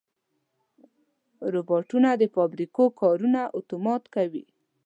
روبوټونه د فابریکو کارونه اتومات کوي.